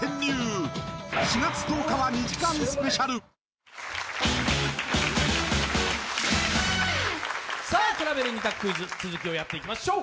キリン「生茶」比べる２択クイズ、続きをやっていきましょう。